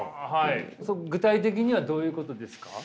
具体的にはどういうことですか？